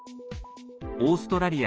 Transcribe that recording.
オーストラリア